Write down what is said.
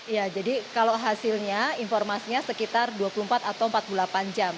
ya jadi kalau hasilnya informasinya sekitar dua puluh empat atau empat puluh delapan jam